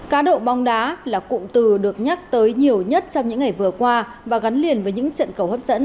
cá độ bóng đá là cụm từ được nhắc tới nhiều nhất trong những ngày vừa qua và gắn liền với những trận cầu hấp dẫn